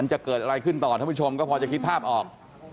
จะเกิดอะไรขึ้นต่อท่านผู้ชมก็พอจะคิดภาพออก